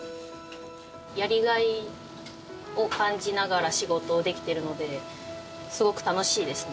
やりがいを感じながら仕事をできてるのですごく楽しいですね